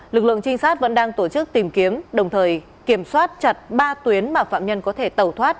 lực lượng trinh sát vẫn đang tổ chức tìm kiếm đồng thời kiểm soát chặt ba tuyến mà phạm nhân có thể tẩu thoát